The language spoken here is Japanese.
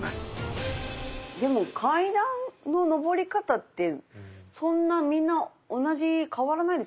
でも階段の上り方ってそんなみんな変わらないですよね？